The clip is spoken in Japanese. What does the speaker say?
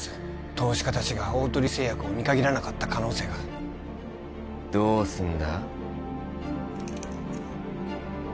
投資家達が大鳥製薬を見限らなかった可能性がどうすんだ？